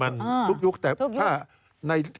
การเลือกตั้งครั้งนี้แน่